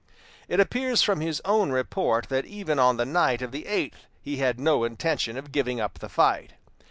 It appears from his own report that even on the night of the eighth he had no intention of giving up the fight.